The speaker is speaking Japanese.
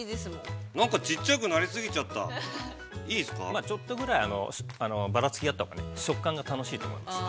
◆まあ、ちょっとぐらいばらつきがあったほうがね、食感が楽しいと思います。